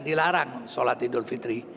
dilarang salat idul fitri